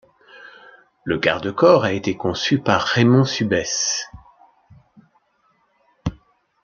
Le garde-corps a été conçu par Raymond Subes.